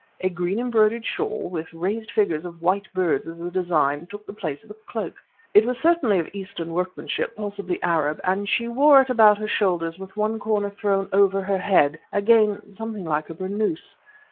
A green embroidered shawl, with raised figures of white birds as a design, took the place of a cloak. It was certainly of Eastern workmanship, possibly Arab; and she wore it about her shoulders with one corner thrown over her head again, something like a burnous.